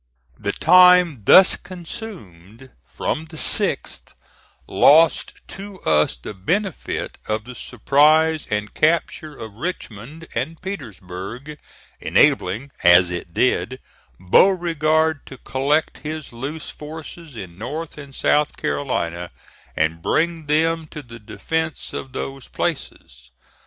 The time thus consumed from the 6th lost to us the benefit of the surprise and capture of Richmond and Petersburg, enabling, as it did, Beauregard to collect his loose forces in North and South Carolina, and bring them to the defence of those places.